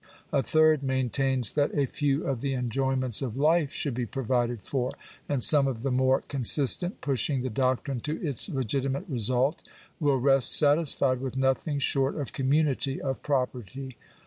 A third maintains that a few of the enjoyments of life should be provided for. And some of the more consistent, pushing the doctrine to its le gitimate result, will rest satisfied with nothing short of com munity of property.